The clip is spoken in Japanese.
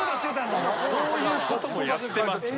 こういうこともやってます。